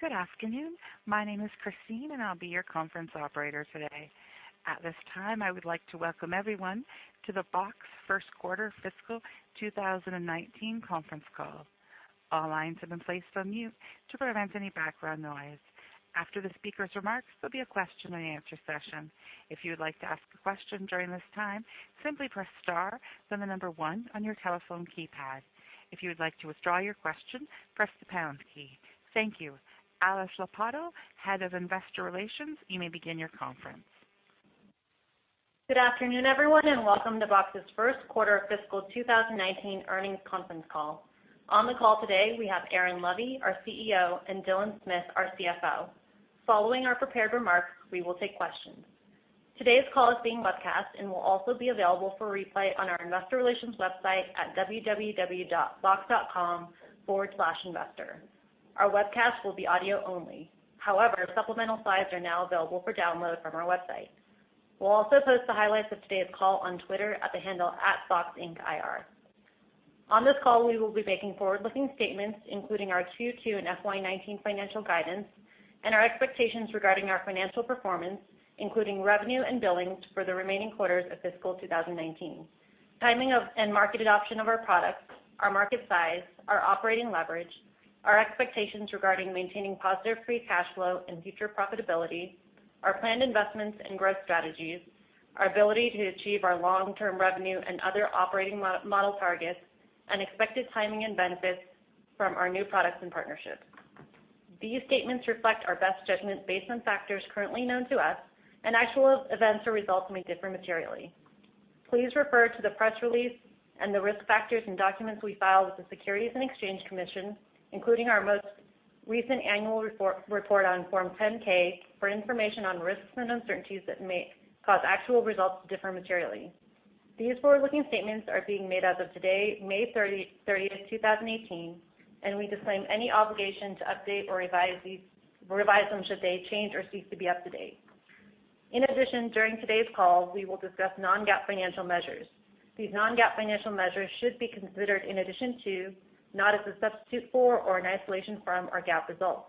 Good afternoon. My name is Christine, and I'll be your conference operator today. At this time, I would like to welcome everyone to the Box Q1 fiscal 2019 conference call. All lines have been placed on mute to prevent any background noise. After the speakers' remarks, there'll be a question and answer session. If you would like to ask a question during this time, simply press star, then the number one on your telephone keypad. If you would like to withdraw your question, press the pound key. Thank you. Alice Lopatto, Head of Investor Relations, you may begin your conference. Good afternoon, everyone, welcome to Box's Q1 fiscal 2019 earnings conference call. On the call today, we have Aaron Levie, our CEO, and Dylan Smith, our CFO. Following our prepared remarks, we will take questions. Today's call is being webcast and will also be available for replay on our investor relations website at www.box.com/investor. Our webcast will be audio only. However, supplemental slides are now available for download from our website. We'll also post the highlights of today's call on Twitter at the handle @BoxIncIR. On this call, we will be making forward-looking statements, including our Q2 and FY 2019 financial guidance and our expectations regarding our financial performance, including revenue and billings for the remaining quarters of fiscal 2019, timing of and market adoption of our products, our market size, our operating leverage, our expectations regarding maintaining positive free cash flow and future profitability, our planned investments and growth strategies, our ability to achieve our long-term revenue and other operating model targets, and expected timing and benefits from our new products and partnerships. These statements reflect our best judgment based on factors currently known to us, and actual events or results may differ materially. Please refer to the press release and the risk factors and documents we file with the Securities and Exchange Commission, including our most recent annual report on Form 10-K, for information on risks and uncertainties that may cause actual results to differ materially. These forward-looking statements are being made as of today, May 30th, 2018, and we disclaim any obligation to update or revise them should they change or cease to be up to date. In addition, during today's call, we will discuss non-GAAP financial measures. These non-GAAP financial measures should be considered in addition to, not as a substitute for, or in isolation from, our GAAP results.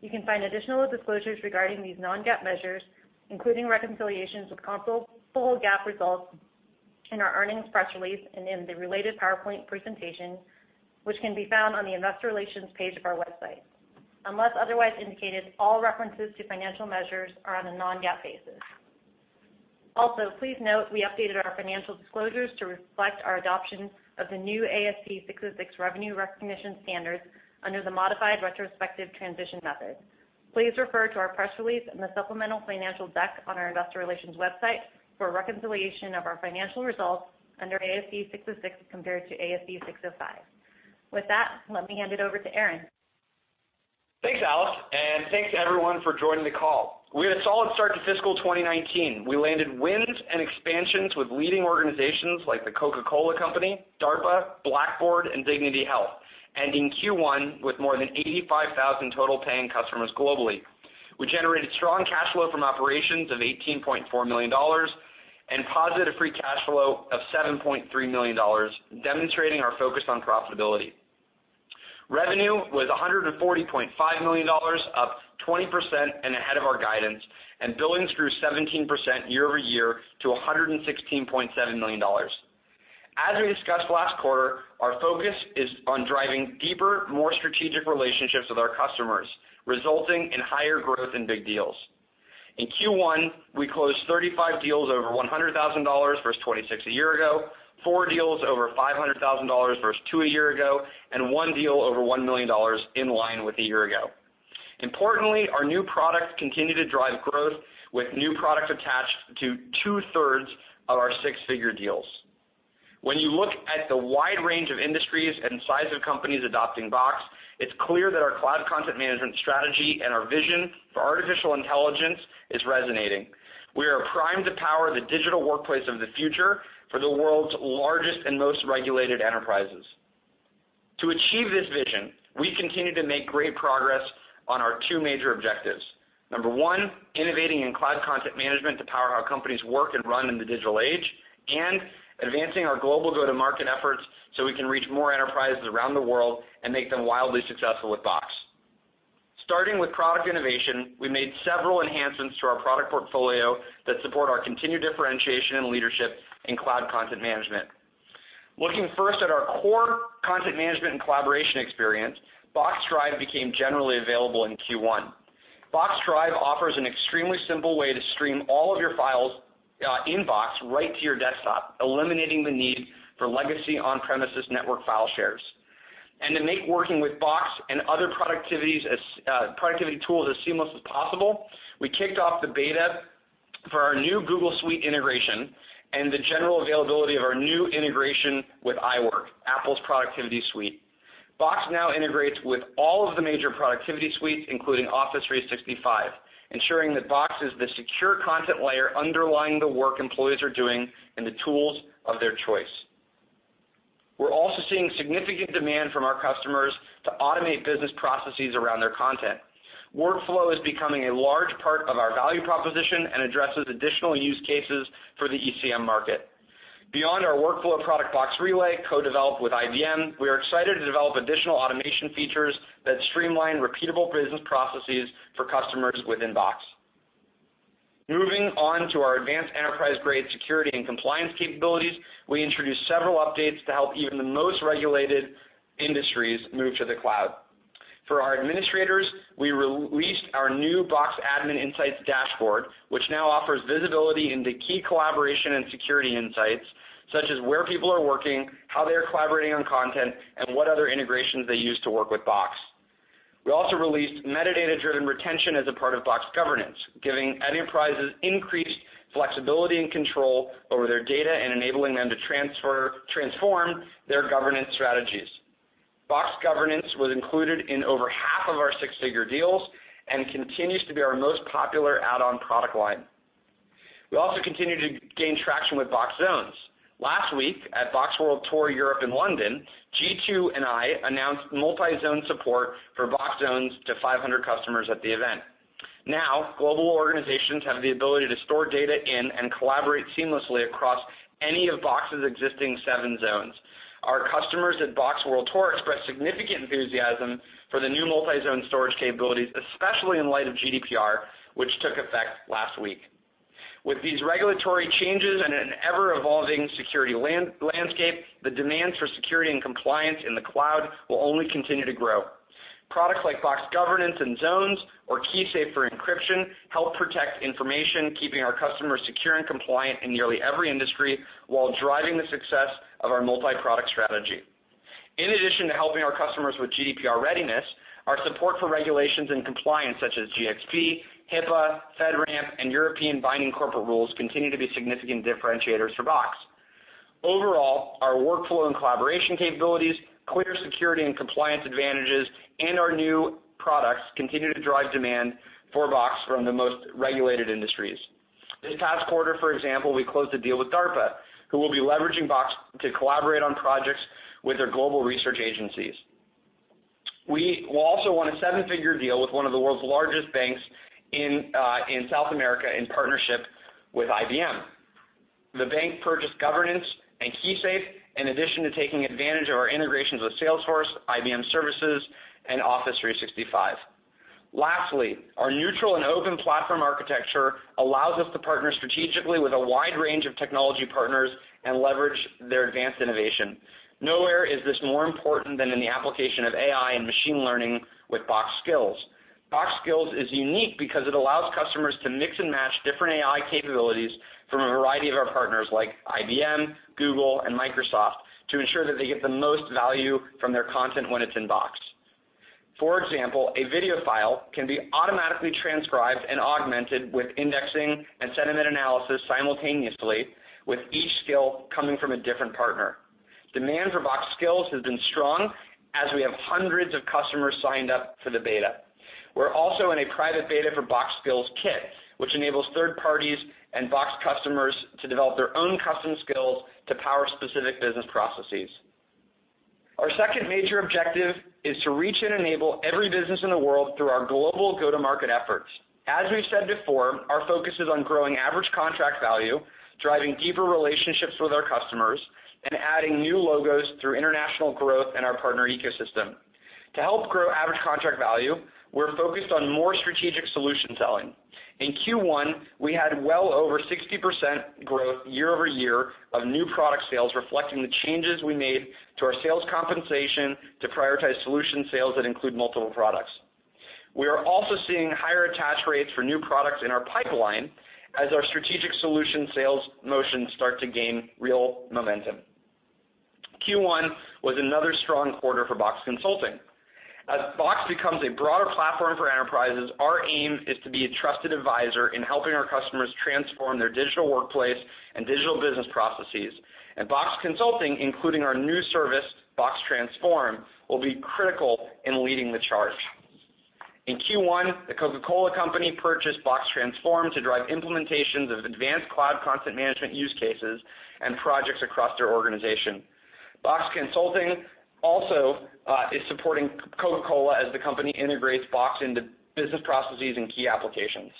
You can find additional disclosures regarding these non-GAAP measures, including reconciliations with comparable GAAP results in our earnings press release and in the related PowerPoint presentation, which can be found on the Investor Relations page of our website. Unless otherwise indicated, all references to financial measures are on a non-GAAP basis. Also, please note we updated our financial disclosures to reflect our adoption of the new ASC 606 revenue recognition standards under the modified retrospective transition method. Please refer to our press release and the supplemental financial deck on our investor relations website for a reconciliation of our financial results under ASC 606 compared to ASC 605. With that, let me hand it over to Aaron. Thanks, Alice, and thanks to everyone for joining the call. We had a solid start to fiscal 2019. We landed wins and expansions with leading organizations like The Coca-Cola Company, DARPA, Blackboard, and Dignity Health, ending Q1 with more than 85,000 total paying customers globally. We generated strong cash flow from operations of $18.4 million and positive free cash flow of $7.3 million, demonstrating our focus on profitability. Revenue was $140.5 million, up 20% and ahead of our guidance, and billings grew 17% year-over-year to $116.7 million. As we discussed last quarter, our focus is on driving deeper, more strategic relationships with our customers, resulting in higher growth and big deals. In Q1, we closed 35 deals over $100,000 versus 26 a year ago, four deals over $500,000 versus two a year ago, and one deal over $1 million, in line with a year ago. Importantly, our new products continue to drive growth, with new products attached to two-thirds of our six-figure deals. When you look at the wide range of industries and size of companies adopting Box, it's clear that our cloud content management strategy and our vision for artificial intelligence is resonating. We are primed to power the digital workplace of the future for the world's largest and most regulated enterprises. To achieve this vision, we continue to make great progress on our two major objectives. Number 1, innovating in cloud content management to power how companies work and run in the digital age, and advancing our global go-to-market efforts so we can reach more enterprises around the world and make them wildly successful with Box. Starting with product innovation, we made several enhancements to our product portfolio that support our continued differentiation and leadership in cloud content management. Looking first at our core content management and collaboration experience, Box Drive became generally available in Q1. Box Drive offers an extremely simple way to stream all of your files in Box right to your desktop, eliminating the need for legacy on-premises network file shares. To make working with Box and other productivity tools as seamless as possible, we kicked off the beta for our new G Suite integration and the general availability of our new integration with iWork, Apple's productivity suite. Box now integrates with all of the major productivity suites, including Office 365, ensuring that Box is the secure content layer underlying the work employees are doing in the tools of their choice. We're also seeing significant demand from our customers to automate business processes around their content. Workflow is becoming a large part of our value proposition and addresses additional use cases for the ECM market. Beyond our workflow product Box Relay, co-developed with IBM, we are excited to develop additional automation features that streamline repeatable business processes for customers within Box. Moving on to our advanced enterprise-grade security and compliance capabilities, we introduced several updates to help even the most regulated industries move to the cloud. For our administrators, we released our new Box Admin Insights dashboard, which now offers visibility into key collaboration and security insights, such as where people are working, how they're collaborating on content, and what other integrations they use to work with Box. We also released metadata-driven retention as a part of Box Governance, giving enterprises increased flexibility and control over their data and enabling them to transform their governance strategies. Box Governance was included in over half of our six-figure deals and continues to be our most popular add-on product line. We also continue to gain traction with Box Zones. Last week at Box World Tour Europe in London, Jeetu and I announced multi-zone support for Box Zones to 500 customers at the event. Now, global organizations have the ability to store data in and collaborate seamlessly across any of Box's existing seven zones. Our customers at Box World Tour expressed significant enthusiasm for the new multi-zone storage capabilities, especially in light of GDPR, which took effect last week. With these regulatory changes and an ever-evolving security landscape, the demands for security and compliance in the cloud will only continue to grow. Products like Box Governance and Zones or KeySafe for encryption help protect information, keeping our customers secure and compliant in nearly every industry, while driving the success of our multi-product strategy. In addition to helping our customers with GDPR readiness, our support for regulations and compliance, such as GXP, HIPAA, FedRAMP, and European Binding Corporate Rules, continue to be significant differentiators for Box. Overall, our workflow and collaboration capabilities, clear security and compliance advantages, and our new products continue to drive demand for Box from the most regulated industries. This past quarter, for example, we closed a deal with DARPA, who will be leveraging Box to collaborate on projects with their global research agencies. We also won a seven-figure deal with one of the world's largest banks in South America in partnership with IBM. The bank purchased Governance and KeySafe, in addition to taking advantage of our integrations with Salesforce, IBM Services, and Office 365. Lastly, our neutral and open platform architecture allows us to partner strategically with a wide range of technology partners and leverage their advanced innovation. Nowhere is this more important than in the application of AI and machine learning with Box Skills. Box Skills is unique because it allows customers to mix and match different AI capabilities from a variety of our partners like IBM, Google, and Microsoft, to ensure that they get the most value from their content when it's in Box. For example, a video file can be automatically transcribed and augmented with indexing and sentiment analysis simultaneously with each skill coming from a different partner. Demand for Box Skills has been strong, as we have hundreds of customers signed up for the beta. We're also in a private beta for Box Skills Kit, which enables third parties and Box customers to develop their own custom skills to power specific business processes. Our second major objective is to reach and enable every business in the world through our global go-to-market efforts. As we've said before, our focus is on growing average contract value, driving deeper relationships with our customers, and adding new logos through international growth and our partner ecosystem. To help grow average contract value, we're focused on more strategic solution selling. In Q1, we had well over 60% growth year-over-year of new product sales, reflecting the changes we made to our sales compensation to prioritize solution sales that include multiple products. We are also seeing higher attach rates for new products in our pipeline as our strategic solution sales motions start to gain real momentum. Q1 was another strong quarter for Box Consulting. As Box becomes a broader platform for enterprises, our aim is to be a trusted advisor in helping our customers transform their digital workplace and digital business processes, and Box Consulting, including our new service, Box Transform, will be critical in leading the charge. In Q1, The Coca-Cola Company purchased Box Transform to drive implementations of advanced cloud content management use cases and projects across their organization. Box Consulting also is supporting Coca-Cola as the company integrates Box into business processes and key applications.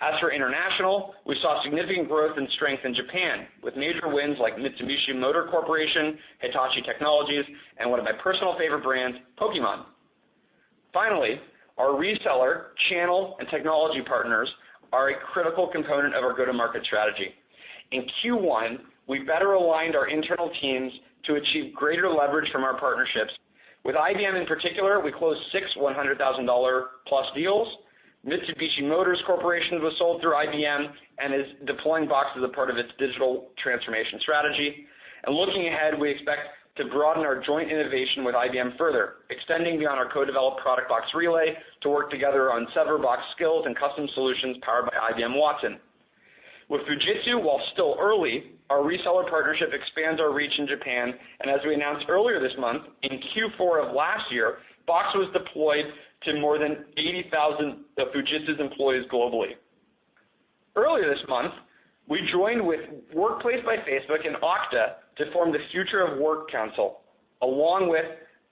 As for international, we saw significant growth and strength in Japan with major wins like Mitsubishi Motors Corporation, Hitachi, and one of my personal favorite brands, Pokémon. Finally, our reseller, channel, and technology partners are a critical component of our go-to-market strategy. In Q1, we better aligned our internal teams to achieve greater leverage from our partnerships. With IBM in particular, we closed six $100,000-plus deals. Mitsubishi Motors Corporation was sold through IBM and is deploying Box as a part of its digital transformation strategy. Looking ahead, we expect to broaden our joint innovation with IBM further, extending beyond our co-developed product Box Relay to work together on several Box Skills and custom solutions powered by IBM Watson. With Fujitsu, while still early, our reseller partnership expands our reach in Japan, and as we announced earlier this month, in Q4 of last year, Box was deployed to more than 80,000 of Fujitsu's employees globally. Earlier this month, we joined with Workplace by Facebook and Okta to form the Future of Work Council. Along with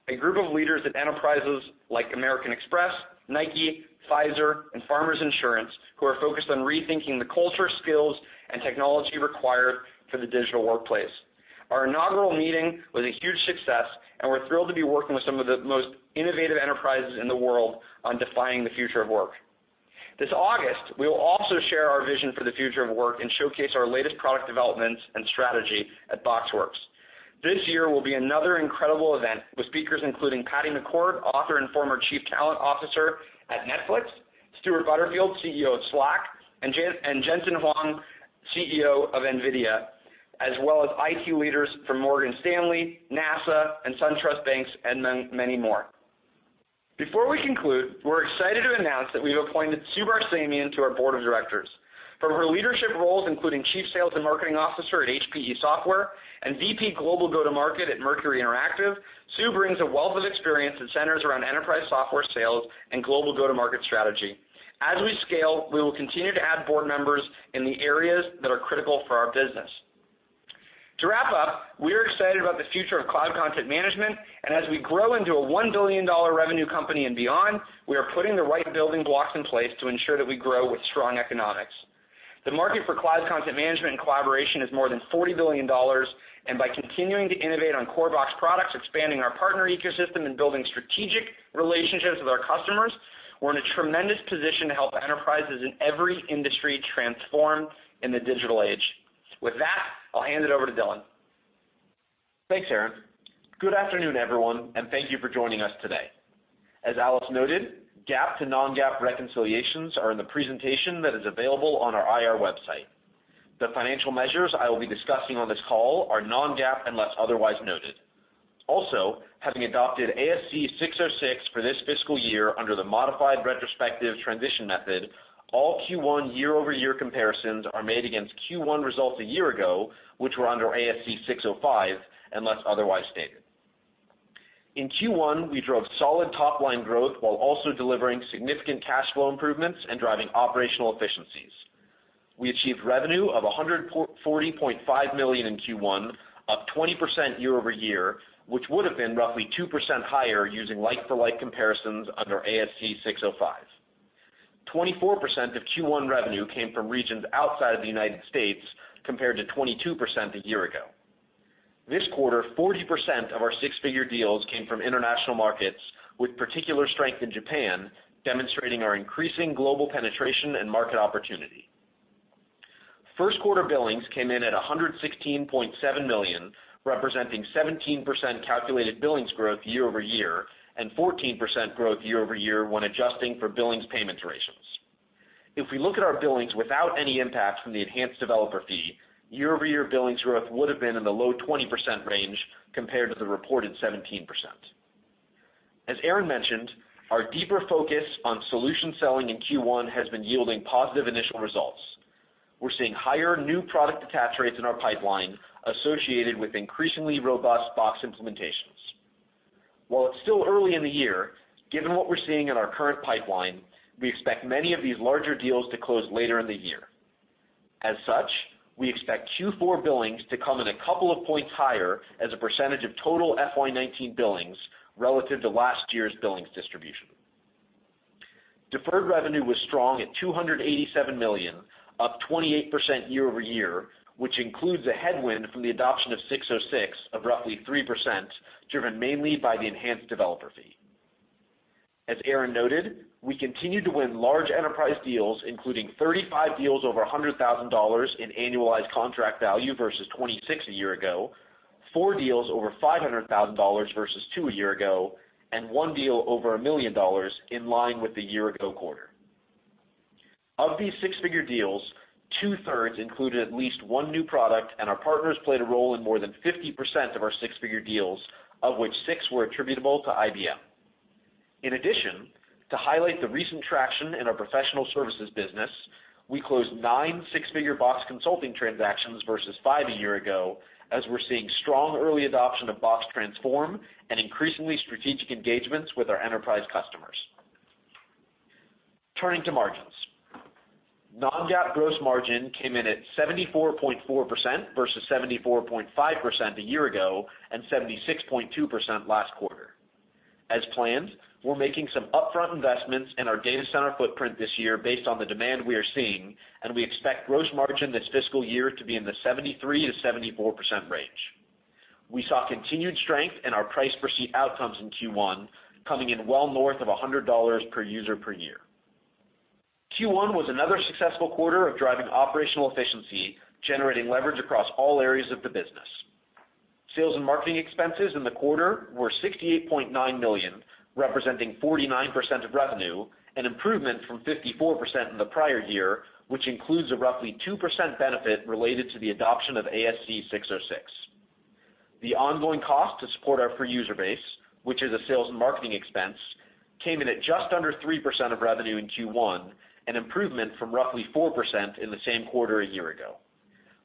a group of leaders at enterprises like American Express, Nike, Pfizer, and Farmers Insurance, who are focused on rethinking the culture, skills, and technology required for the digital workplace. Our inaugural meeting was a huge success, and we're thrilled to be working with some of the most innovative enterprises in the world on defining the future of work. This August, we will also share our vision for the future of work and showcase our latest product developments and strategy at BoxWorks. This year will be another incredible event with speakers including Patty McCord, author and former chief talent officer at Netflix, Stewart Butterfield, CEO of Slack, and Jensen Huang, CEO of NVIDIA, as well as IT leaders from Morgan Stanley, NASA, and SunTrust Banks, and many more. Before we conclude, we're excited to announce that we've appointed Sue Barsamian to our board of directors. From her leadership roles, including chief sales and marketing officer at HPE Software and VP Global Go-to-Market at Mercury Interactive, Sue brings a wealth of experience that centers around enterprise software sales and global go-to-market strategy. As we scale, we will continue to add board members in the areas that are critical for our business. To wrap up, we are excited about the future of cloud content management, and as we grow into a $1 billion revenue company and beyond, we are putting the right building blocks in place to ensure that we grow with strong economics. The market for cloud content management and collaboration is more than $40 billion, and by continuing to innovate on core Box products, expanding our partner ecosystem, and building strategic relationships with our customers, we're in a tremendous position to help enterprises in every industry transform in the digital age. With that, I'll hand it over to Dylan. Thanks, Aaron. Good afternoon, everyone, and thank you for joining us today. As Alice noted, GAAP to non-GAAP reconciliations are in the presentation that is available on our IR website. The financial measures I will be discussing on this call are non-GAAP unless otherwise noted. Also, having adopted ASC 606 for this fiscal year under the modified retrospective transition method, all Q1 year-over-year comparisons are made against Q1 results a year ago, which were under ASC 605, unless otherwise stated. In Q1, we drove solid top-line growth while also delivering significant cash flow improvements and driving operational efficiencies. We achieved revenue of $140.5 million in Q1, up 20% year-over-year, which would have been roughly 2% higher using like-for-like comparisons under ASC 605. 24% of Q1 revenue came from regions outside of the United States, compared to 22% a year ago. This quarter, 40% of our six-figure deals came from international markets, with particular strength in Japan, demonstrating our increasing global penetration and market opportunity. Q1 billings came in at $116.7 million, representing 17% calculated billings growth year-over-year, and 14% growth year-over-year when adjusting for billings payment durations. If we look at our billings without any impact from the enhanced developer fee, year-over-year billings growth would've been in the low 20% range compared to the reported 17%. As Aaron mentioned, our deeper focus on solution selling in Q1 has been yielding positive initial results. We're seeing higher new product attach rates in our pipeline associated with increasingly robust Box implementations. While it's still early in the year, given what we're seeing in our current pipeline, we expect many of these larger deals to close later in the year. As such, we expect Q4 billings to come in a couple of points higher as a percentage of total FY 2019 billings relative to last year's billings distribution. Deferred revenue was strong at $287 million, up 28% year-over-year, which includes a headwind from the adoption of 606 of roughly 3%, driven mainly by the enhanced developer fee. As Aaron noted, we continue to win large enterprise deals, including 35 deals over $100,000 in annualized contract value versus 26 a year ago, four deals over $500,000 versus two a year ago, and one deal over a million dollars in line with the year-ago quarter. Of these six-figure deals, two-thirds included at least one new product, and our partners played a role in more than 50% of our six-figure deals, of which six were attributable to IBM. To highlight the recent traction in our professional services business, we closed nine six-figure Box Consulting transactions versus five a year ago as we're seeing strong early adoption of Box Transform and increasingly strategic engagements with our enterprise customers. Turning to margins. Non-GAAP gross margin came in at 74.4% versus 74.5% a year ago and 76.2% last quarter. As planned, we're making some upfront investments in our data center footprint this year based on the demand we are seeing, and we expect gross margin this fiscal year to be in the 73%-74% range. We saw continued strength in our price per seat outcomes in Q1, coming in well north of $100 per user per year. Q1 was another successful quarter of driving operational efficiency, generating leverage across all areas of the business. Sales and marketing expenses in the quarter were $68.9 million, representing 49% of revenue, an improvement from 54% in the prior year, which includes a roughly 2% benefit related to the adoption of ASC 606. The ongoing cost to support our per user base, which is a sales and marketing expense, came in at just under 3% of revenue in Q1, an improvement from roughly 4% in the same quarter a year ago.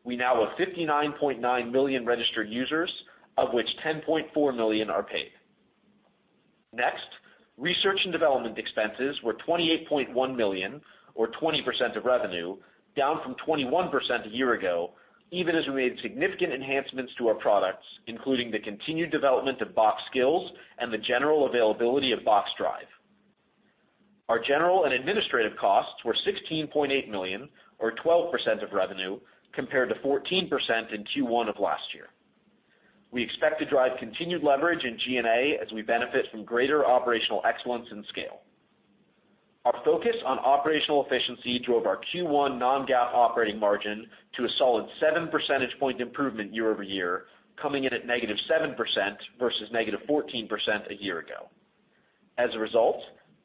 We now have 59.9 million registered users, of which 10.4 million are paid. Research and development expenses were $28.1 million, or 20% of revenue, down from 21% a year ago, even as we made significant enhancements to our products, including the continued development of Box Skills and the general availability of Box Drive. Our general and administrative costs were $16.8 million, or 12% of revenue, compared to 14% in Q1 of last year. We expect to drive continued leverage in G&A as we benefit from greater operational excellence and scale. Our focus on operational efficiency drove our Q1 non-GAAP operating margin to a solid seven percentage point improvement year-over-year, coming in at negative 7% versus negative 14% a year ago.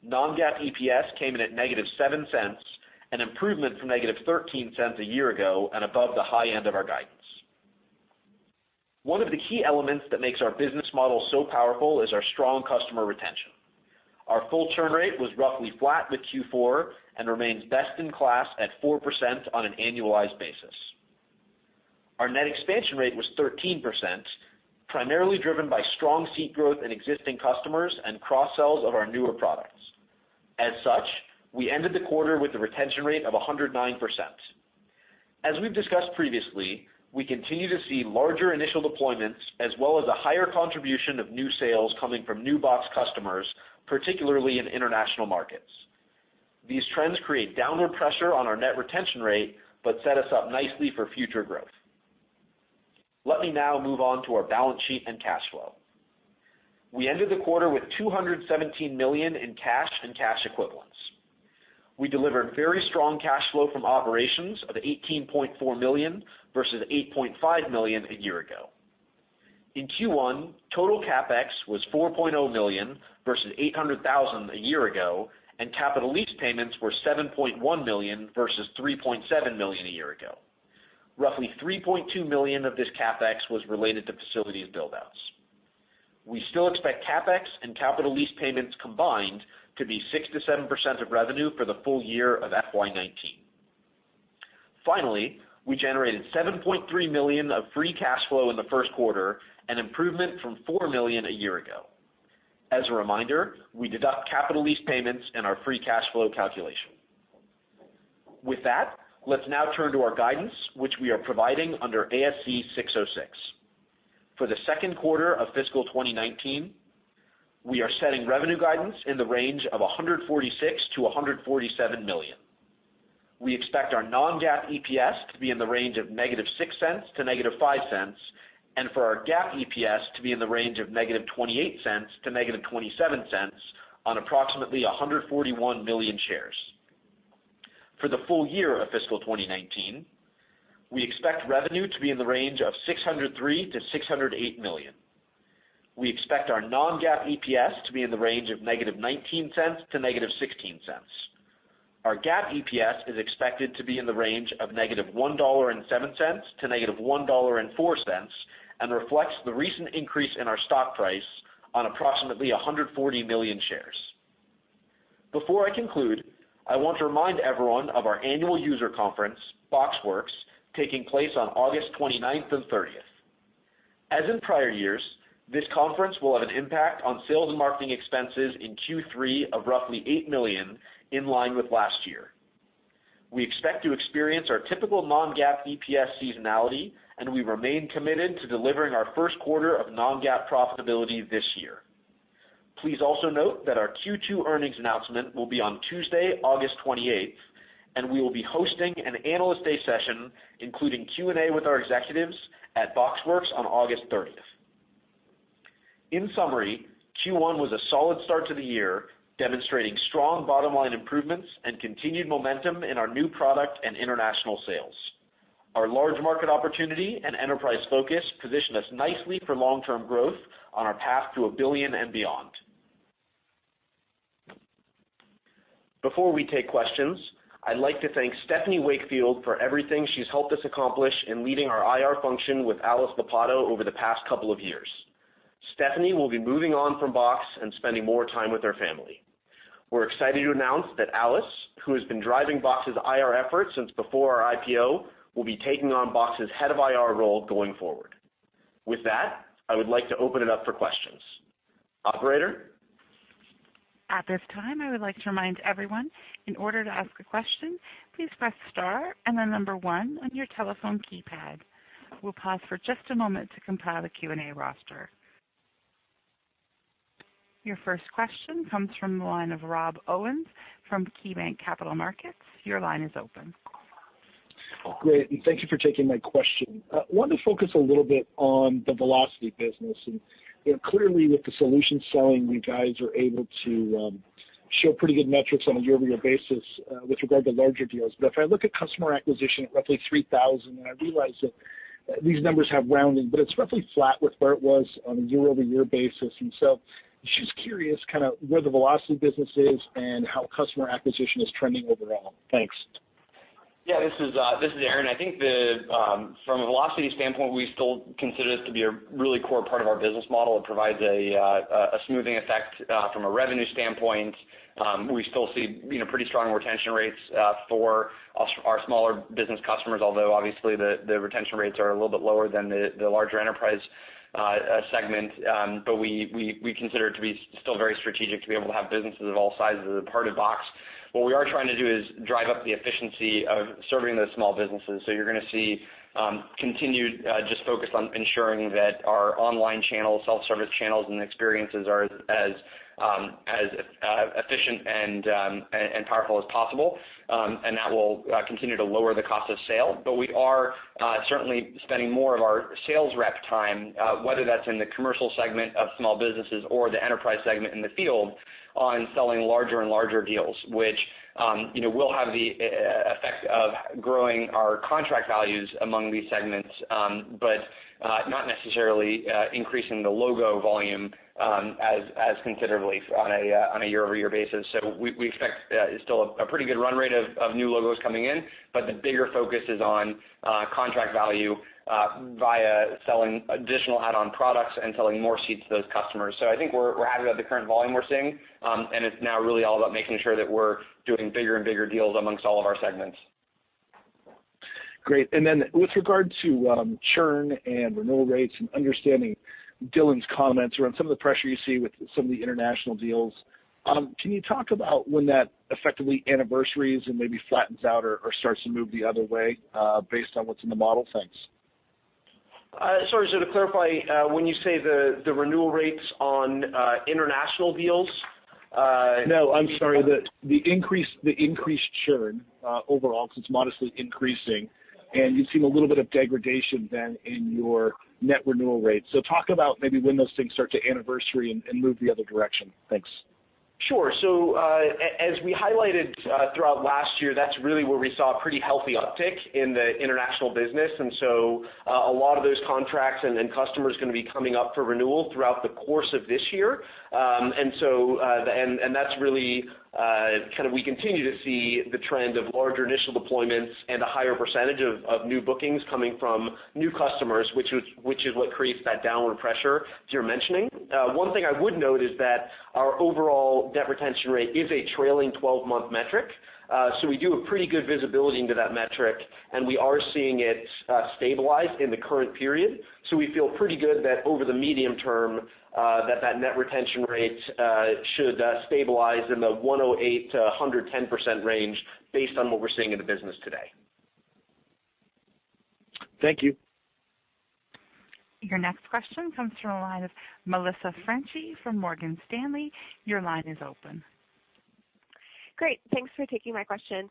Non-GAAP EPS came in at -$0.07, an improvement from -$0.13 a year ago and above the high end of our guidance. One of the key elements that makes our business model so powerful is our strong customer retention. Our full churn rate was roughly flat with Q4 and remains best in class at 4% on an annualized basis. Our net expansion rate was 13%, primarily driven by strong seat growth in existing customers and cross-sells of our newer products. As such, we ended the quarter with a retention rate of 109%. As we've discussed previously, we continue to see larger initial deployments, as well as a higher contribution of new sales coming from new Box customers, particularly in international markets. These trends create downward pressure on our net retention rate, but set us up nicely for future growth. Let me now move on to our balance sheet and cash flow. We ended the quarter with $217 million in cash and cash equivalents. We delivered very strong cash flow from operations of $18.4 million, versus $8.5 million a year ago. In Q1, total CapEx was $4.0 million versus $800,000 a year ago, and capital lease payments were $7.1 million, versus $3.7 million a year ago. Roughly $3.2 million of this CapEx was related to facilities build-outs. We still expect CapEx and capital lease payments combined to be 6%-7% of revenue for the full year of FY 2019. We generated $7.3 million of free cash flow in the Q1, an improvement from $4 million a year ago. As a reminder, we deduct capital lease payments in our free cash flow calculation. With that, let's now turn to our guidance, which we are providing under ASC 606. For the Q2 of fiscal 2019, we are setting revenue guidance in the range of $146 million-$147 million. We expect our non-GAAP EPS to be in the range of -$0.06 to -$0.05, and for our GAAP EPS to be in the range of -$0.28 to -$0.27 on approximately 141 million shares. For the full year of fiscal 2019, we expect revenue to be in the range of $603 million-$608 million. We expect our non-GAAP EPS to be in the range of -$0.19 to -$0.16. Our GAAP EPS is expected to be in the range of -$1.07 to -$1.04, and reflects the recent increase in our stock price on approximately 140 million shares. Before I conclude, I want to remind everyone of our annual user conference, BoxWorks, taking place on August 29th and 30th. As in prior years, this conference will have an impact on sales and marketing expenses in Q3 of roughly $8 million, in line with last year. We expect to experience our typical non-GAAP EPS seasonality, and we remain committed to delivering our Q1 of non-GAAP profitability this year. Please also note that our Q2 earnings announcement will be on Tuesday, August 28th, and we will be hosting an analyst day session, including Q&A with our executives, at BoxWorks on August 30th. In summary, Q1 was a solid start to the year, demonstrating strong bottom-line improvements and continued momentum in our new product and international sales. Our large market opportunity and enterprise focus position us nicely for long-term growth on our path to $1 billion and beyond. Before we take questions, I'd like to thank Stephanie Wakefield for everything she's helped us accomplish in leading our IR function with Alice Lopatto over the past couple of years. Stephanie will be moving on from Box and spending more time with her family. We're excited to announce that Alice, who has been driving Box's IR efforts since before our IPO, will be taking on Box's head of IR role going forward. With that, I would like to open it up for questions. Operator? At this time, I would like to remind everyone, in order to ask a question, please press star and then number 1 on your telephone keypad. We'll pause for just a moment to compile a Q&A roster. Your first question comes from the line of Rob Owens from KeyBanc Capital Markets. Your line is open. Great. Thank you for taking my question. I wanted to focus a little bit on the Velocity business, clearly, with the solution selling, you guys are able to show pretty good metrics on a year-over-year basis with regard to larger deals. If I look at customer acquisition at roughly 3,000, I realize that these numbers have rounding, but it is roughly flat with where it was on a year-over-year basis. Just curious, where the Velocity business is and how customer acquisition is trending overall. Thanks. Yeah, this is Aaron. I think from a Velocity standpoint, we still consider this to be a really core part of our business model. It provides a smoothing effect from a revenue standpoint. We still see pretty strong retention rates for our smaller business customers, although obviously the retention rates are a little bit lower than the larger enterprise A segment, but we consider it to be still very strategic to be able to have businesses of all sizes as a part of Box. What we are trying to do is drive up the efficiency of serving those small businesses. You are going to see continued just focus on ensuring that our online channels, self-service channels, and experiences are as efficient and powerful as possible. That will continue to lower the cost of sale. We are certainly spending more of our sales rep time, whether that is in the commercial segment of small businesses or the enterprise segment in the field, on selling larger and larger deals, which will have the effect of growing our contract values among these segments, but not necessarily increasing the logo volume as considerably on a year-over-year basis. We expect still a pretty good run rate of new logos coming in, but the bigger focus is on contract value via selling additional add-on products and selling more seats to those customers. I think we are happy about the current volume we are seeing. It is now really all about making sure that we are doing bigger and bigger deals amongst all of our segments. Great. With regard to churn and renewal rates and understanding Dylan's comments around some of the pressure you see with some of the international deals, can you talk about when that effectively anniversaries and maybe flattens out or starts to move the other way based on what is in the model? Thanks. Sorry, to clarify, when you say the renewal rates on international deals? No, I'm sorry. The increased churn overall, because it's modestly increasing, and you've seen a little bit of degradation then in your net renewal rates. Talk about maybe when those things start to anniversary and move the other direction. Thanks. Sure. As we highlighted throughout last year, that's really where we saw a pretty healthy uptick in the international business. A lot of those contracts and customers are going to be coming up for renewal throughout the course of this year. That's really we continue to see the trend of larger initial deployments and a higher percentage of new bookings coming from new customers, which is what creates that downward pressure that you're mentioning. One thing I would note is that our overall net retention rate is a trailing 12-month metric. We do a pretty good visibility into that metric, and we are seeing it stabilize in the current period. We feel pretty good that over the medium term, that that net retention rate should stabilize in the 108%-110% range based on what we're seeing in the business today. Thank you. Your next question comes from the line of Melissa Franchi from Morgan Stanley. Your line is open. Great, thanks for taking my question.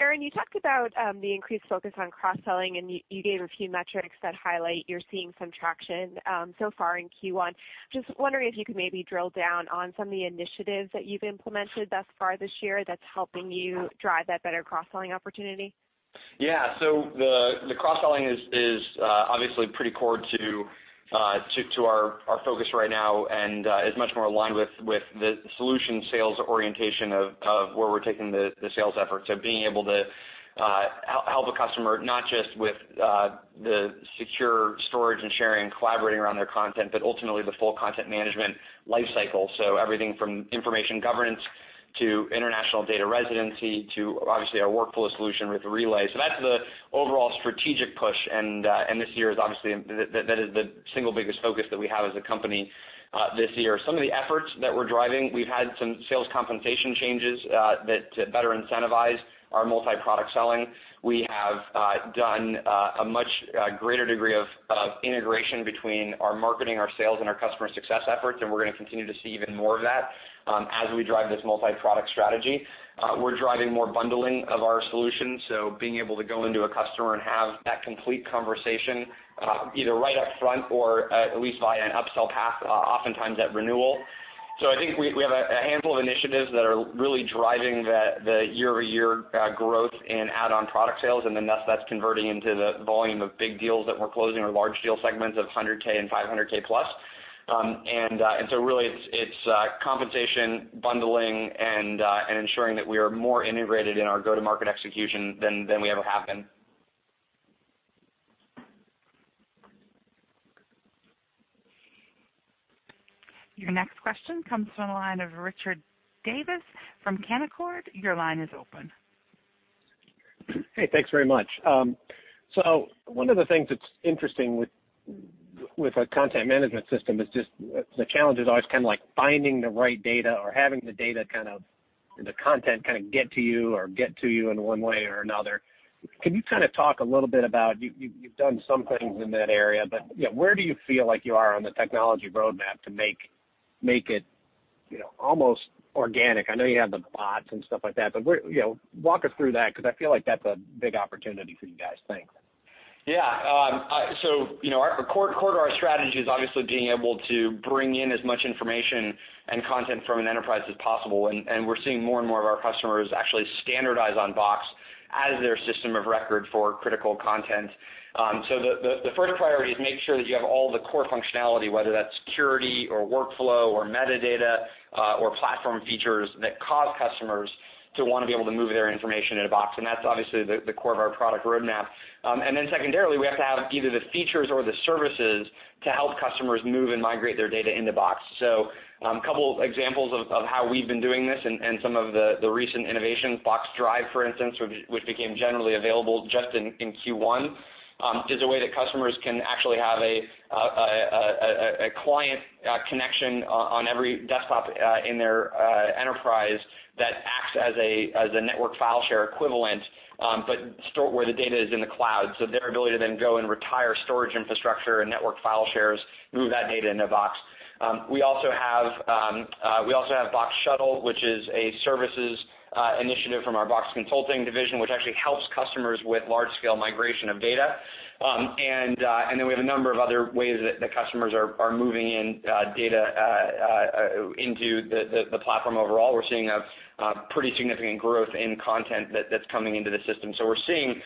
Aaron, you talked about the increased focus on cross-selling, and you gave a few metrics that highlight you're seeing some traction so far in Q1. Just wondering if you could maybe drill down on some of the initiatives that you've implemented thus far this year that's helping you drive that better cross-selling opportunity. Yeah. The cross-selling is obviously pretty core to our focus right now and is much more aligned with the solution sales orientation of where we're taking the sales effort to being able to help a customer, not just with the secure storage and sharing, collaborating around their content, but ultimately the full content management life cycle. Everything from information governance to international data residency to obviously our workflow solution with Relay. That's the overall strategic push, and this year is obviously that is the single biggest focus that we have as a company this year. Some of the efforts that we're driving, we've had some sales compensation changes that better incentivize our multi-product selling. We have done a much greater degree of integration between our marketing, our sales, and our customer success efforts, and we're going to continue to see even more of that as we drive this multi-product strategy. We're driving more bundling of our solutions, being able to go into a customer and have that complete conversation, either right up front or at least via an upsell path, oftentimes at renewal. I think we have a handful of initiatives that are really driving the year-over-year growth in add-on product sales. Thus that's converting into the volume of big deals that we're closing or large deal segments of $100K and $500K plus. Really it's compensation, bundling, and ensuring that we are more integrated in our go-to-market execution than we ever have been. Your next question comes from the line of Richard Davis from Canaccord. Your line is open. Hey, thanks very much. One of the things that's interesting with a content management system is just the challenge is always finding the right data or having the data, the content get to you or get to you in one way or another. Can you talk a little bit about, you've done some things in that area, but where do you feel like you are on the technology roadmap to make it almost organic? I know you have the bots and stuff like that, but walk us through that, because I feel like that's a big opportunity for you guys. Thanks. Yeah. Core to our strategy is obviously being able to bring in as much information and content from an enterprise as possible, and we're seeing more and more of our customers actually standardize on Box as their system of record for critical content. The first priority is make sure that you have all the core functionality, whether that's security or workflow or metadata or platform features that cause customers to want to be able to move their information into Box. That's obviously the core of our product roadmap. Secondarily, we have to have either the features or the services to help customers move and migrate their data into Box. A couple examples of how we've been doing this and some of the recent innovations, Box Drive, for instance, which became generally available just in Q1 Is a way that customers can actually have a client connection on every desktop in their enterprise that acts as a network file share equivalent, but store where the data is in the cloud. Their ability to then go and retire storage infrastructure and network file shares, move that data into Box. We also have Box Shuttle, which is a services initiative from our Box Consulting division, which actually helps customers with large-scale migration of data. Then we have a number of other ways that the customers are moving in data into the platform. Overall, we're seeing a pretty significant growth in content that's coming into the system. We're seeing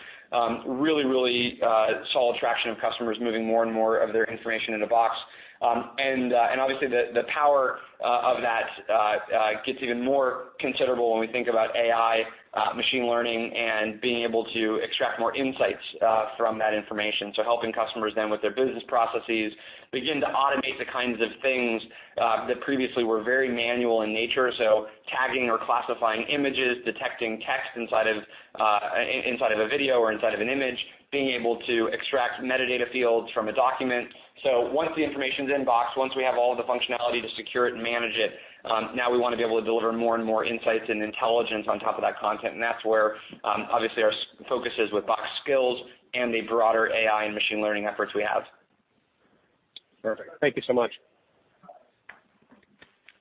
really solid traction of customers moving more and more of their information into Box. Obviously the power of that gets even more considerable when we think about AI, machine learning, and being able to extract more insights from that information. Helping customers then with their business processes, begin to automate the kinds of things that previously were very manual in nature. Tagging or classifying images, detecting text inside of a video or inside of an image, being able to extract metadata fields from a document. Once the information's in Box, once we have all the functionality to secure it and manage it, now we want to be able to deliver more and more insights and intelligence on top of that content, and that's where obviously our focus is with Box Skills and the broader AI and machine learning efforts we have. Perfect. Thank you so much.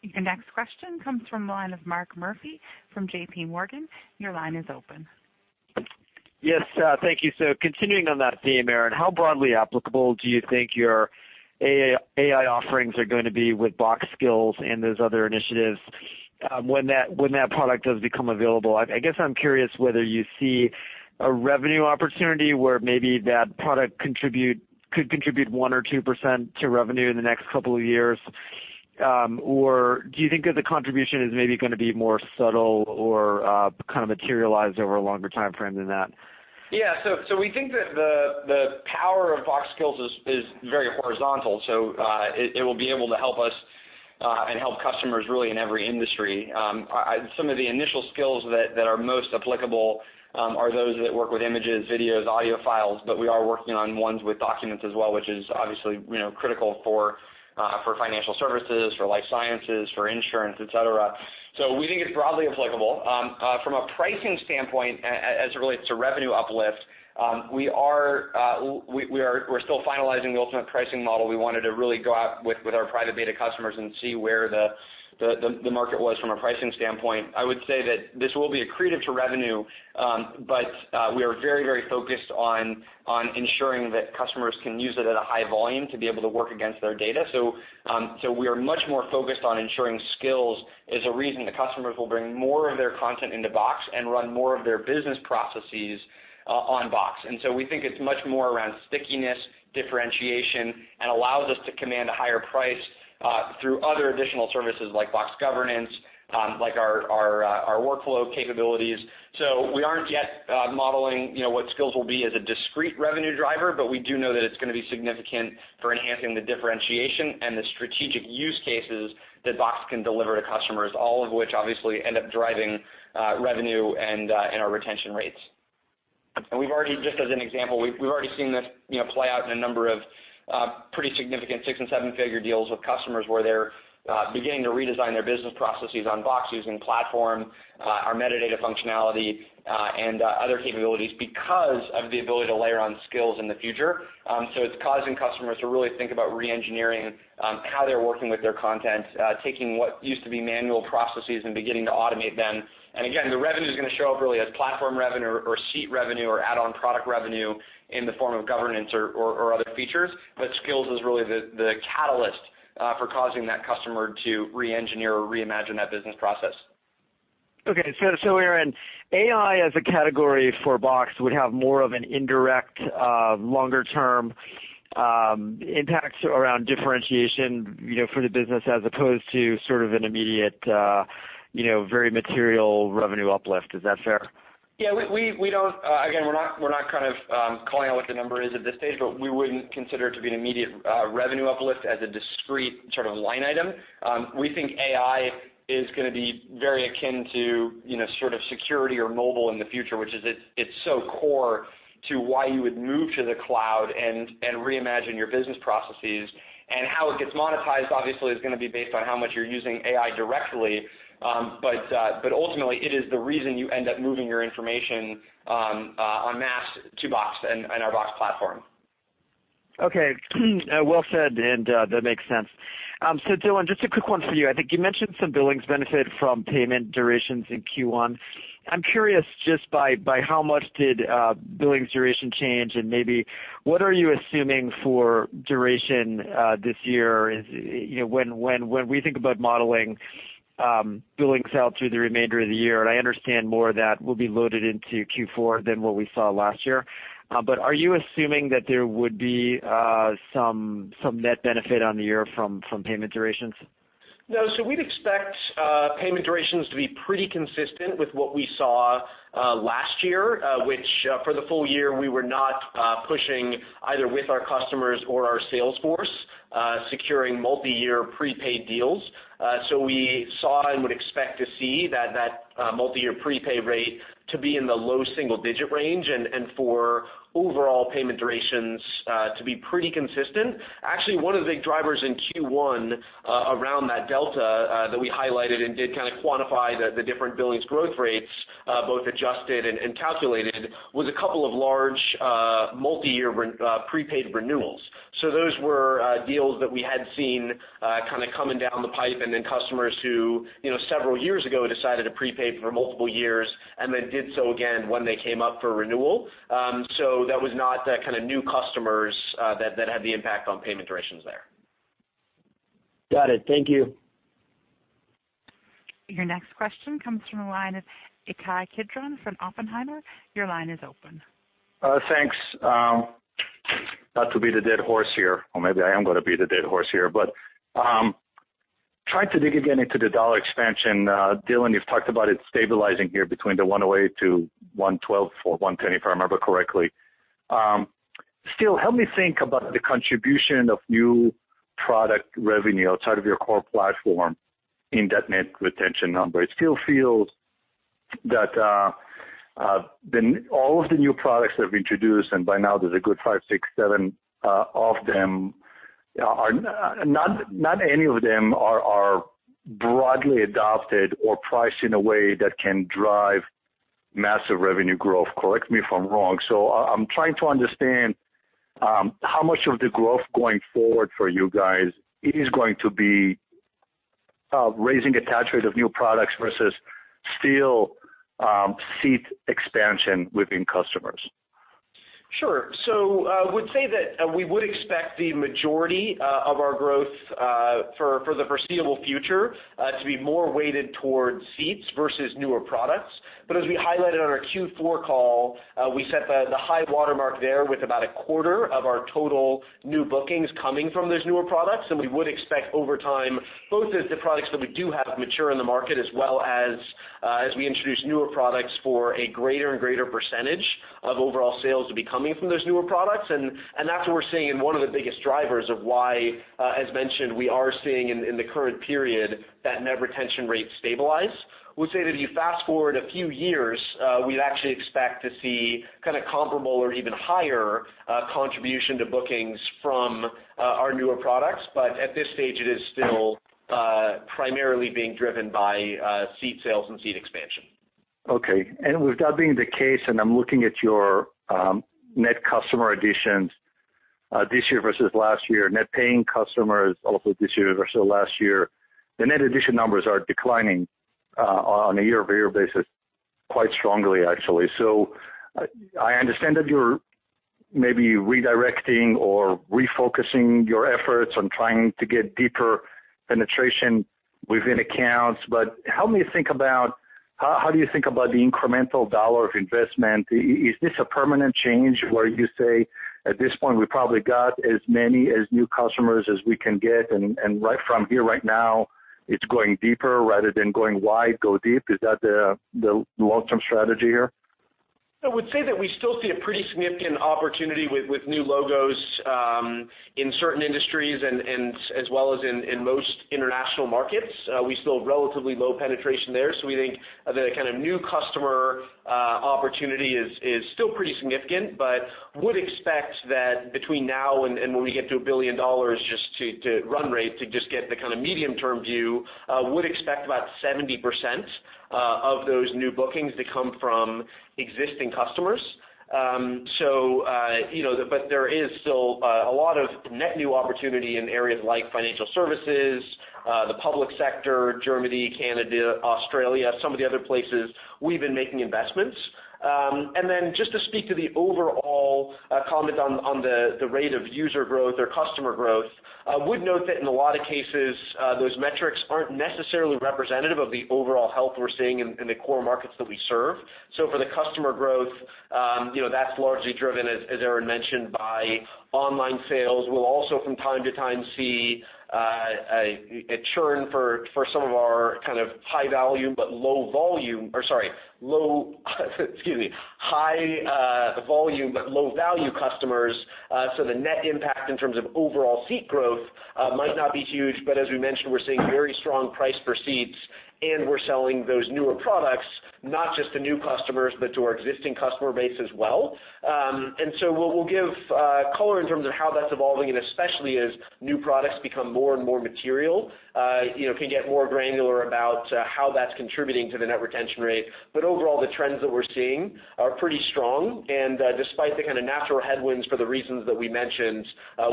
Your next question comes from the line of Mark Murphy from JPMorgan. Your line is open. Yes, thank you. Continuing on that theme, Aaron, how broadly applicable do you think your AI offerings are going to be with Box Skills and those other initiatives, when that product does become available? I guess I'm curious whether you see a revenue opportunity where maybe that product could contribute 1% or 2% to revenue in the next couple of years. Or do you think that the contribution is maybe going to be more subtle or materialize over a longer timeframe than that? We think that the power of Box Skills is very horizontal. It will be able to help us, and help customers really in every industry. Some of the initial skills that are most applicable, are those that work with images, videos, audio files, but we are working on ones with documents as well, which is obviously critical for financial services, for life sciences, for insurance, et cetera. We think it's broadly applicable. From a pricing standpoint, as it relates to revenue uplift, we are still finalizing the ultimate pricing model. We wanted to really go out with our private beta customers and see where the market was from a pricing standpoint. I would say that this will be accretive to revenue, we are very focused on ensuring that customers can use it at a high volume to be able to work against their data. We are much more focused on ensuring Skills is a reason that customers will bring more of their content into Box and run more of their business processes on Box. We think it's much more around stickiness, differentiation, and allows us to command a higher price through other additional services like Box Governance, like our workflow capabilities. We aren't yet modeling what Skills will be as a discrete revenue driver, but we do know that it's going to be significant for enhancing the differentiation and the strategic use cases that Box can deliver to customers, all of which obviously end up driving revenue and our retention rates. Just as an example, we've already seen this play out in a number of pretty significant 6 and 7-figure deals with customers where they're beginning to redesign their business processes on Box using platform, our metadata functionality, and other capabilities because of the ability to layer on Skills in the future. It's causing customers to really think about re-engineering how they're working with their content, taking what used to be manual processes and beginning to automate them. Again, the revenue's going to show up really as platform revenue or seat revenue or add-on product revenue in the form of Governance or other features. Skills is really the catalyst for causing that customer to re-engineer or reimagine that business process. Okay. Aaron, AI as a category for Box would have more of an indirect, longer-term impact around differentiation for the business as opposed to sort of an immediate, very material revenue uplift. Is that fair? Yeah. Again, we're not calling out what the number is at this stage, but we wouldn't consider it to be an immediate revenue uplift as a discrete line item. We think AI is going to be very akin to security or mobile in the future, which is it's so core to why you would move to the cloud and reimagine your business processes. How it gets monetized obviously is going to be based on how much you're using AI directly. Ultimately, it is the reason you end up moving your information en masse to Box and our Box Platform. Okay. Well said, and that makes sense. Dylan, just a quick one for you. I think you mentioned some billings benefit from payment durations in Q1. I'm curious just by how much did billings duration change, and maybe what are you assuming for duration this year? When we think about modeling billings out through the remainder of the year, and I understand more of that will be loaded into Q4 than what we saw last year. Are you assuming that there would be some net benefit on the year from payment durations? No, we'd expect payment durations to be pretty consistent with what we saw last year, which, for the full year, we were not pushing Either with our customers or our sales force, securing multi-year prepaid deals. We saw and would expect to see that multi-year prepaid rate to be in the low single-digit range, and for overall payment durations to be pretty consistent. Actually, one of the big drivers in Q1 around that delta that we highlighted and did quantify the different billings growth rates, both adjusted and calculated, was a couple of large multi-year prepaid renewals. Those were deals that we had seen coming down the pipe, and then customers who, several years ago, decided to prepay for multiple years and then did so again when they came up for renewal. That was not the kind of new customers that had the impact on payment durations there. Got it. Thank you. Your next question comes from the line of Ittai Kidron from Oppenheimer. Your line is open. Thanks. Not to beat a dead horse here, or maybe I am going to beat a dead horse here, but try to dig again into the dollar expansion. Dylan, you've talked about it stabilizing here between the 108 to 112 or 110, if I remember correctly. Still, help me think about the contribution of new product revenue outside of your core platform in that net retention number. It still feels that all of the new products that have been introduced, and by now there's a good five, six, seven of them, not any of them are broadly adopted or priced in a way that can drive massive revenue growth. Correct me if I'm wrong. I'm trying to understand how much of the growth going forward for you guys is going to be raising attach rate of new products versus still seat expansion within customers. Sure. I would say that we would expect the majority of our growth for the foreseeable future to be more weighted towards seats versus newer products. As we highlighted on our Q4 call, we set the high watermark there with about a quarter of our total new bookings coming from those newer products. We would expect over time, both as the products that we do have mature in the market as well as we introduce newer products for a greater and greater percentage of overall sales to be coming from those newer products. That's what we're seeing in one of the biggest drivers of why, as mentioned, we are seeing in the current period that net retention rate stabilize. Would say that if you fast-forward a few years, we'd actually expect to see comparable or even higher contribution to bookings from our newer products. At this stage, it is still primarily being driven by seat sales and seat expansion. Okay. With that being the case, I'm looking at your net customer additions this year versus last year, net paying customers also this year versus last year, the net addition numbers are declining on a year-over-year basis quite strongly, actually. I understand that you're maybe redirecting or refocusing your efforts on trying to get deeper penetration within accounts. Help me think about, how do you think about the incremental $ of investment? Is this a permanent change where you say, at this point, we probably got as many as new customers as we can get, and right from here, right now, it's going deeper rather than going wide, go deep? Is that the long-term strategy here? I would say that we still see a pretty significant opportunity with new logos in certain industries and as well as in most international markets. We still have relatively low penetration there, we think the kind of new customer opportunity is still pretty significant. Would expect that between now and when we get to $1 billion just to run rate, to just get the kind of medium-term view, would expect about 70% of those new bookings to come from existing customers. There is still a lot of net new opportunity in areas like financial services, the public sector, Germany, Canada, Australia, some of the other places we've been making investments. Just to speak to the overall comment on the rate of user growth or customer growth, I would note that in a lot of cases, those metrics aren't necessarily representative of the overall health we're seeing in the core markets that we serve. For the customer growth, that's largely driven, as Aaron mentioned, by online sales. We'll also from time to time see a churn for some of our kind of high volume, but low value customers. The net impact in terms of overall seat growth might not be huge, but as we mentioned, we're seeing very strong price per seats and we're selling those newer products, not just to new customers, but to our existing customer base as well. what we'll give color in terms of how that's evolving, and especially as new products become more and more material, can get more granular about how that's contributing to the net retention rate. Overall, the trends that we're seeing are pretty strong, and despite the kind of natural headwinds for the reasons that we mentioned,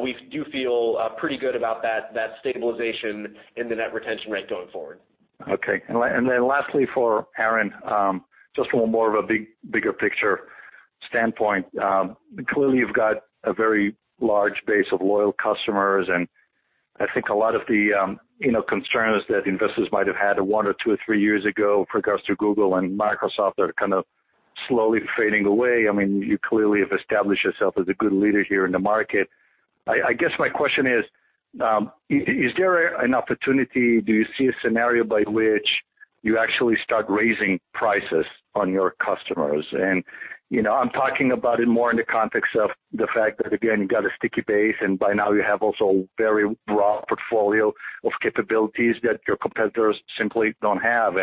we do feel pretty good about that stabilization in the net retention rate going forward. Okay. Lastly, for Aaron, just from a more of a bigger picture standpoint. Clearly, you've got a very large base of loyal customers, and I think a lot of the concerns that investors might have had one or two or three years ago with regards to Google and Microsoft are kind of slowly fading away. I mean, you clearly have established yourself as a good leader here in the market. I guess my question is there an opportunity, do you see a scenario by which you actually start raising prices on your customers? I'm talking about it more in the context of the fact that, again, you got a sticky base, and by now you have also very robust portfolio of capabilities that your competitors simply don't have.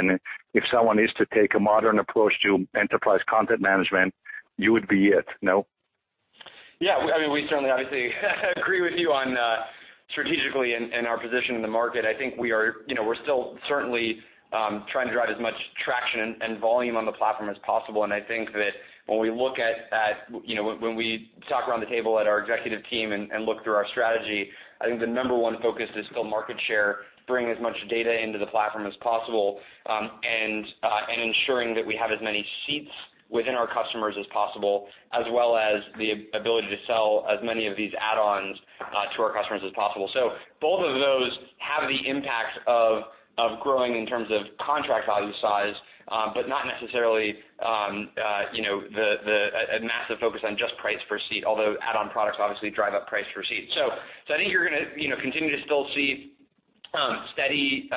If someone is to take a modern approach to enterprise content management, you would be it, no? Yeah. We certainly obviously agree with you on strategically and our position in the market. I think we're still certainly trying to drive as much traction and volume on the platform as possible, and I think that when we talk around the table at our executive team and look through our strategy, I think the number one focus is still market share, bring as much data into the platform as possible, and ensuring that we have as many seats within our customers as possible, as well as the ability to sell as many of these add-ons to our customers as possible. Both of those have the impact of growing in terms of contract value size, but not necessarily a massive focus on just price per seat, although add-on products obviously drive up price per seat. I think you're going to continue to still see a steady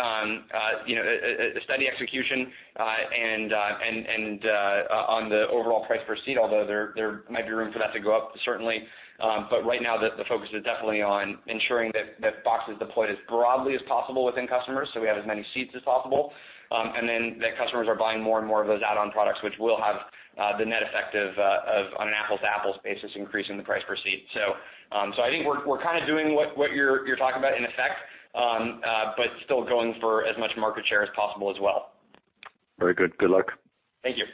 execution on the overall price per seat, although there might be room for that to go up, certainly. Right now, the focus is definitely on ensuring that Box is deployed as broadly as possible within customers, so we have as many seats as possible. Then that customers are buying more and more of those add-on products, which will have the net effect of, on an apples-to-apples basis, increasing the price per seat. I think we're kind of doing what you're talking about in effect, but still going for as much market share as possible as well. Very good. Good luck. Thank you.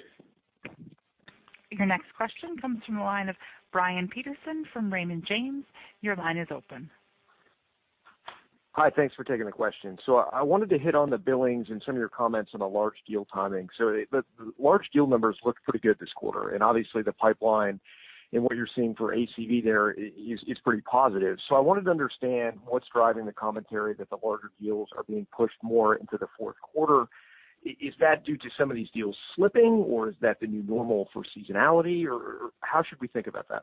Your next question comes from the line of Brian Peterson from Raymond James. Your line is open. Hi. Thanks for taking the question. I wanted to hit on the billings and some of your comments on the large deal timing. The large deal numbers looked pretty good this quarter, and obviously the pipeline and what you're seeing for ACV there is pretty positive. I wanted to understand what's driving the commentary that the larger deals are being pushed more into the Q4. Is that due to some of these deals slipping, or is that the new normal for seasonality, or how should we think about that?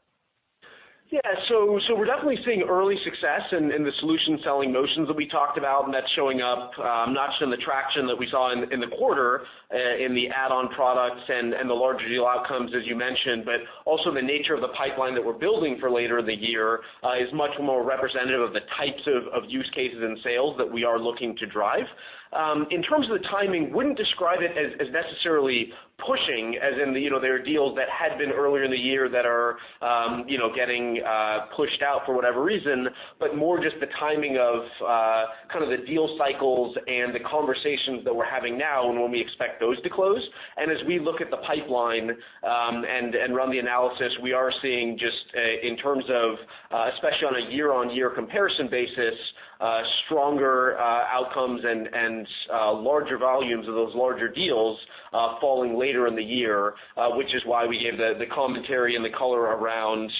Yeah. We're definitely seeing early success in the solution selling motions that we talked about, and that's showing up, not just in the traction that we saw in the quarter, in the add-on products and the larger deal outcomes, as you mentioned, but also the nature of the pipeline that we're building for later in the year is much more representative of the types of use cases and sales that we are looking to drive. In terms of the timing, wouldn't describe it as necessarily pushing as in there are deals that had been earlier in the year that are getting pushed out for whatever reason, but more just the timing of kind of the deal cycles and the conversations that we're having now and when we expect those to close. As we look at the pipeline, and run the analysis, we are seeing just, in terms of, especially on a year-on-year comparison basis, stronger outcomes and larger volumes of those larger deals falling later in the year, which is why we gave the commentary and the color around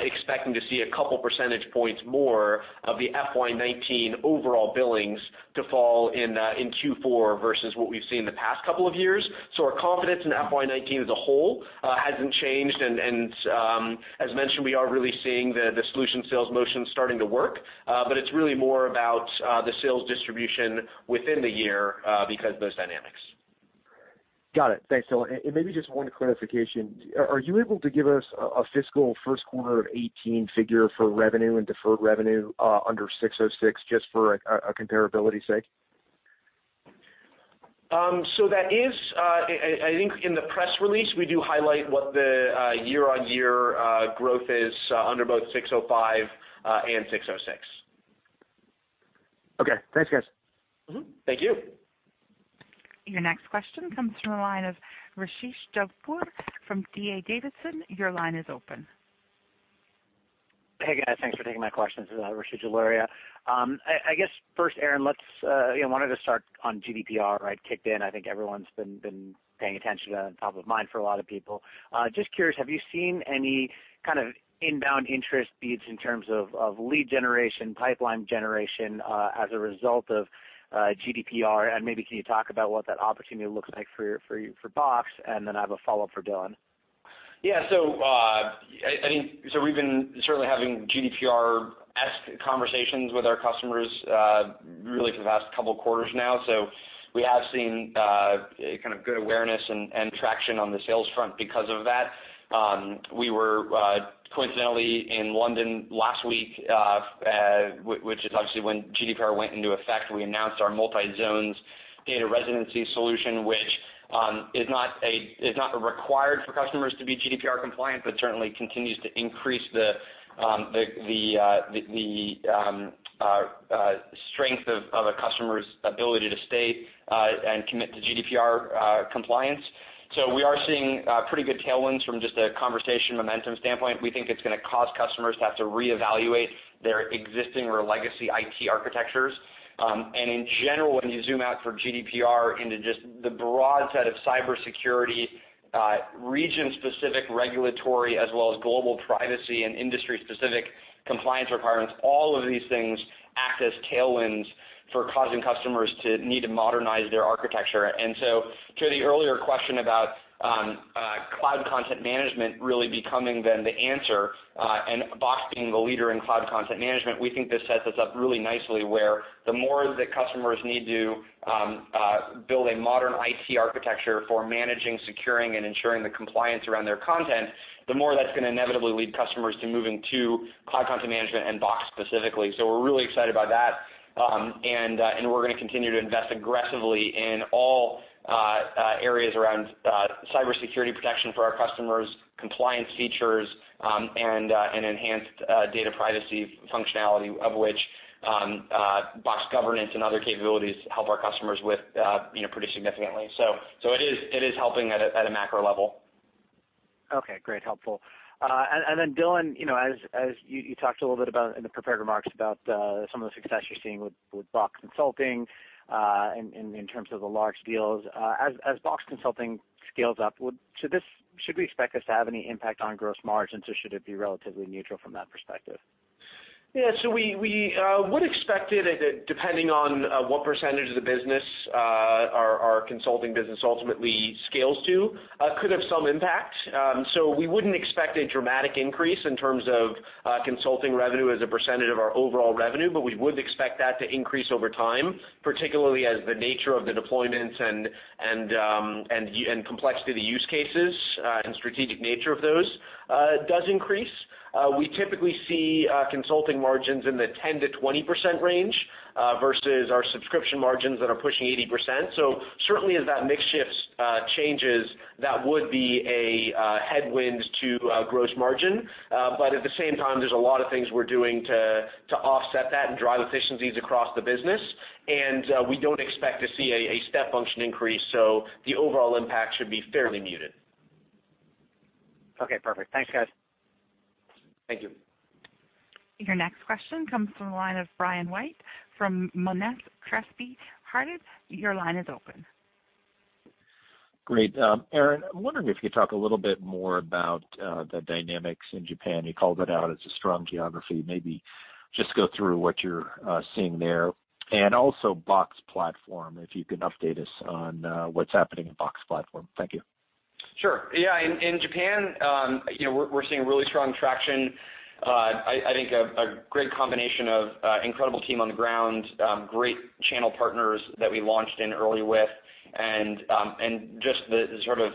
expecting to see a couple percentage points more of the FY 2019 overall billings to fall in Q4 versus what we've seen in the past couple of years. Our confidence in FY 2019 as a whole hasn't changed and, as mentioned, we are really seeing the solution sales motion starting to work. It's really more about the sales distribution within the year, because of those dynamics. Got it. Thanks, Dylan. Maybe just one clarification. Are you able to give us a fiscal Q1 of 2018 figure for revenue and deferred revenue under 606, just for a comparability sake? That is, I think in the press release, we do highlight what the year-on-year growth is under both 605 and 606. Okay, thanks, guys. Mm-hmm. Thank you. Your next question comes from the line of Rishi Jaluria from D.A. Davidson. Your line is open. Hey, guys. Thanks for taking my question. This is Rishi Jaluria. I guess first, Aaron, I wanted to start on GDPR. It kicked in, I think everyone's been paying attention, top of mind for a lot of people. Just curious, have you seen any kind of inbound interest, be it in terms of lead generation, pipeline generation, as a result of GDPR? Maybe can you talk about what that opportunity looks like for Box? Then I have a follow-up for Dylan. Yeah. We've been certainly having GDPR-esque conversations with our customers really for the past couple quarters now. We have seen kind of good awareness and traction on the sales front because of that. We were coincidentally in London last week, which is obviously when GDPR went into effect. We announced our multi-zones data residency solution, which is not required for customers to be GDPR compliant, but certainly continues to increase the strength of a customer's ability to stay and commit to GDPR compliance. We are seeing pretty good tailwinds from just a conversation momentum standpoint. We think it's going to cause customers to have to reevaluate their existing or legacy IT architectures. In general, when you zoom out for GDPR into just the broad set of cybersecurity, region-specific regulatory, as well as global privacy and industry-specific compliance requirements, all of these things act as tailwinds for causing customers to need to modernize their architecture. To the earlier question about cloud content management really becoming then the answer, and Box being the leader in cloud content management, we think this sets us up really nicely where the more the customers need to build a modern IT architecture for managing, securing, and ensuring the compliance around their content, the more that's going to inevitably lead customers to moving to cloud content management and Box specifically. We're really excited about that, and we're going to continue to invest aggressively in all areas around cybersecurity protection for our customers, compliance features, and enhanced data privacy functionality, of which Box Governance and other capabilities help our customers with pretty significantly. It is helping at a macro level. Okay, great. Helpful. Dylan, as you talked a little bit about in the prepared remarks about some of the success you're seeing with Box Consulting, in terms of the large deals. As Box Consulting scales up, should we expect this to have any impact on gross margins, or should it be relatively neutral from that perspective? We would expect it, depending on what percentage of the business our consulting business ultimately scales to, could have some impact. We wouldn't expect a dramatic increase in terms of consulting revenue as a percentage of our overall revenue, but we would expect that to increase over time, particularly as the nature of the deployments and complexity of use cases, and strategic nature of those, does increase. We typically see consulting margins in the 10%-20% range, versus our subscription margins that are pushing 80%. Certainly as that mix shift changes, that would be a headwind to gross margin. At the same time, there's a lot of things we're doing to offset that and drive efficiencies across the business, and we don't expect to see a step function increase, the overall impact should be fairly muted. Okay, perfect. Thanks, guys. Thank you. Your next question comes from the line of Brian White from Monness, Crespi, Hardt. Your line is open. Great. Aaron, I'm wondering if you could talk a little bit more about the dynamics in Japan. You called it out as a strong geography. Maybe just go through what you're seeing there. Also Box Platform, if you can update us on what's happening in Box Platform. Thank you. Sure. Yeah. In Japan, we're seeing really strong traction. I think a great combination of incredible team on the ground, great channel partners that we launched in early with, and just the sort of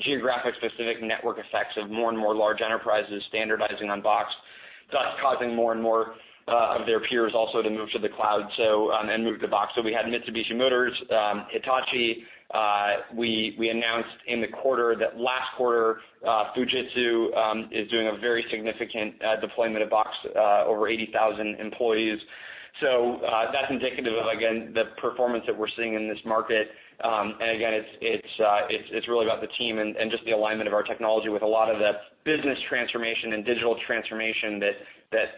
geographic specific network effects of more and more large enterprises standardizing on Box, thus causing more and more of their peers also to move to the cloud, and move to Box. We had Mitsubishi Motors, Hitachi. We announced in the quarter that last quarter Fujitsu is doing a very significant deployment of Box, over 80,000 employees. That's indicative of, again, the performance that we're seeing in this market. Again, it's really about the team and just the alignment of our technology with a lot of the business transformation and digital transformation that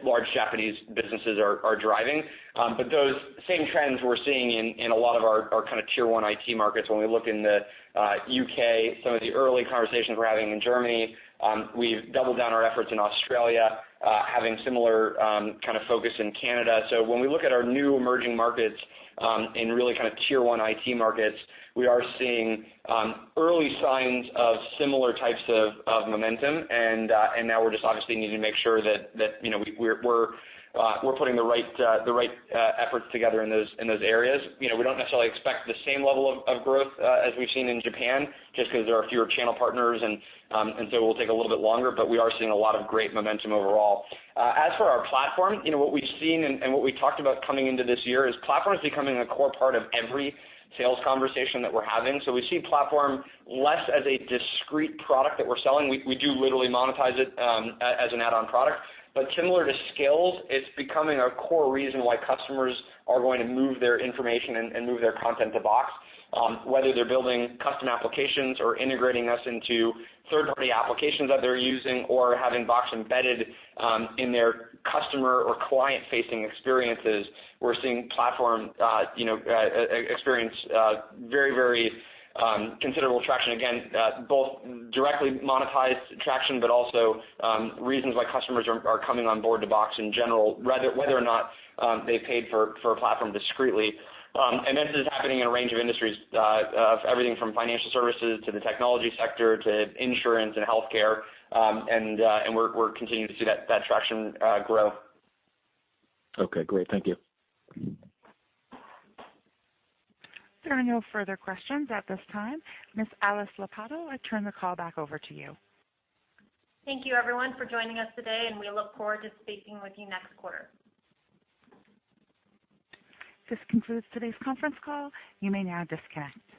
large Japanese businesses are driving. Those same trends we're seeing in a lot of our tier 1 IT markets. When we look in the U.K., some of the early conversations we're having in Germany, we've doubled down our efforts in Australia, having similar focus in Canada. When we look at our new emerging markets, in really tier 1 IT markets, we are seeing early signs of similar types of momentum, and now we're just obviously needing to make sure that we're putting the right efforts together in those areas. We don't necessarily expect the same level of growth as we've seen in Japan, just because there are fewer channel partners, and so it will take a little bit longer, but we are seeing a lot of great momentum overall. As for our platform, what we've seen and what we talked about coming into this year is platform is becoming a core part of every sales conversation that we're having. We see platform less as a discrete product that we're selling. We do literally monetize it as an add-on product. Similar to Skills, it's becoming a core reason why customers are going to move their information and move their content to Box, whether they're building custom applications or integrating us into third-party applications that they're using or having Box embedded in their customer or client-facing experiences. We're seeing platform experience very considerable traction, again, both directly monetized traction, but also reasons why customers are coming on board to Box in general, whether or not they paid for a platform discreetly. This is happening in a range of industries, everything from financial services to the technology sector to insurance and healthcare. We're continuing to see that traction grow. Okay, great. Thank you. There are no further questions at this time. Ms. Alice Lopatto, I turn the call back over to you. Thank you, everyone, for joining us today, and we look forward to speaking with you next quarter. This concludes today's conference call. You may now disconnect.